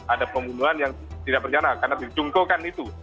ada pembunuhan yang tidak bercana karena dicungkukan itu